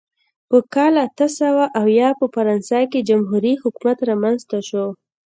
په کال اته سوه اویا په فرانسه کې جمهوري حکومت رامنځته شو.